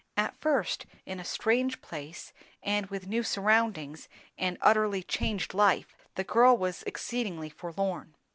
At first, in a strange place and with new surroundings and utterly changed life, the girl was exceedingly forlorn.